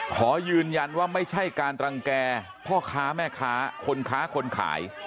ขอยืนยันว่าไม่ใช่การรังแก่พ่อค้าแม่ค้าคนค้าคนขาย